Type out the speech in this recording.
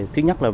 thứ nhất là về